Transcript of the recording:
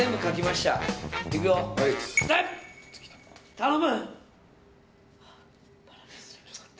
頼む！